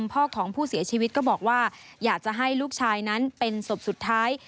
พ่อของผู้เสียชีวิตก็บอกว่าอยากจะให้ลูกชายนั้นเป็นศพสุดท้าย